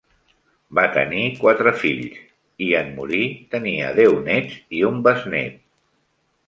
Va tenir quatre fills i, en morir, tenia deu nets i un besnet.